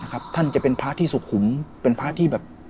ท่านจะเป็นพระที่สุขุมเป็นพระที่แบบ